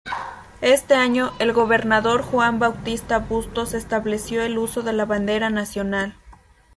Ese año, el gobernador Juan Bautista Bustos estableció el uso de la bandera nacional.